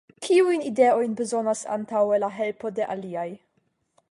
Kiujn ideojn bezonas antaŭe la helpo de aliaj?